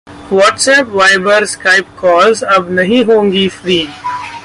WhatsApp, Viber, Skype calls अब नहीं होंगी फ्री!